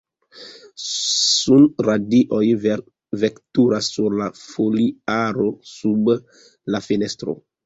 Sunradioj vetkuras sur la foliaro sub la fenestro.